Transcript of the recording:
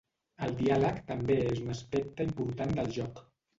El diàleg també és un aspecte important del joc.